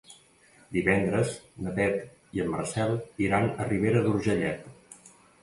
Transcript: Divendres na Beth i en Marcel iran a Ribera d'Urgellet.